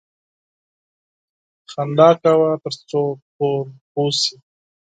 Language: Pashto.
موسکا کوه تر څو ټول پوه شي